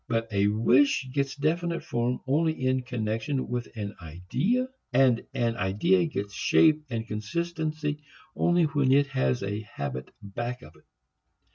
But a wish gets definite form only in connection with an idea, and an idea gets shape and consistency only when it has a habit back of it.